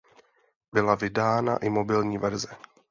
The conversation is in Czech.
Byla vydána i mobilní verze.